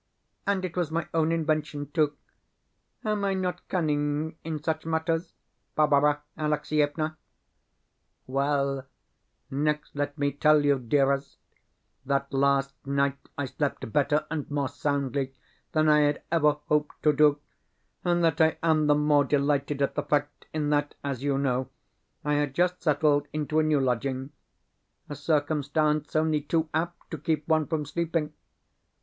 And it was my own invention, too! Am I not cunning in such matters, Barbara Alexievna? Well, next let me tell you, dearest, that last night I slept better and more soundly than I had ever hoped to do, and that I am the more delighted at the fact in that, as you know, I had just settled into a new lodging a circumstance only too apt to keep one from sleeping!